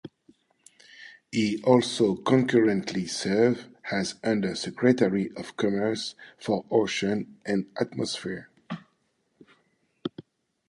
He also concurrently serves as Under Secretary of Commerce for Oceans and Atmosphere.